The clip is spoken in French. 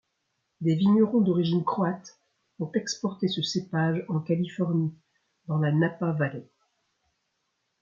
Des vignerons d'origine croate ont exporté ce cépage en Californie, dans la Napa Valley.